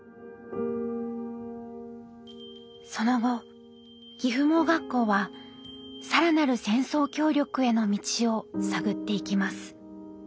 その後岐阜盲学校は更なる戦争協力への道を探っていきます。